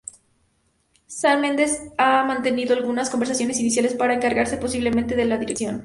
Sam Mendes ha mantenido algunas conversaciones iniciales para encargarse posiblemente de la dirección.